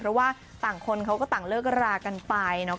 เพราะว่าต่างคนเขาก็ต่างเลิกรากันไป